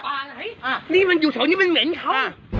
ป่าไหนนี่มันอยู่แถวนี้มันเหม็นครับ